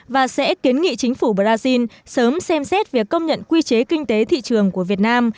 và sẽ kiến nghị chính phủ brazil sớm xem xét việc công nhận quy chế kinh tế thị trường của việt nam